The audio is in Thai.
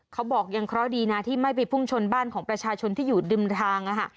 เขาบอกยังเคราะห์ดีนะที่ไม่ไปพุ่งชนบ้านของประชาชนที่อยู่ดึงทาง